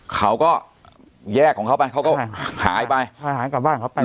เขาก็แยกของเขาไปเขาก็หายไปหากลับบ้านเขาไป